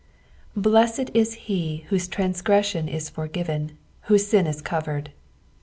BLESSED is he whose transgression is forgiven, whose sin is covered.